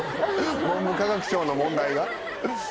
文部科学省の問題が？